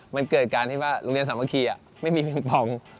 มันเกิดการที่ว่าโรงเรียนสามัคคีไม่มีปิงปอง